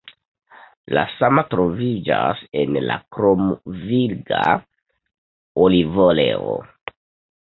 La sama troviĝas en la kromvirga olivoleo.